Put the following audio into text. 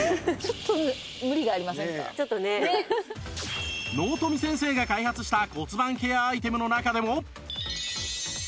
納富先生が開発した骨盤ケアアイテムの中でも